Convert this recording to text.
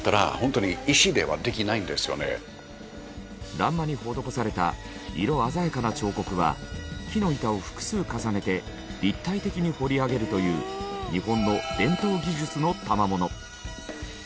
欄間に施された色鮮やかな彫刻は木の板を複数重ねて立体的に彫り上げるという日本の伝統技術のたまもの。